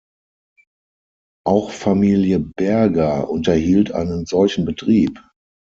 Auch Familie Berger unterhielt einen solchen Betrieb.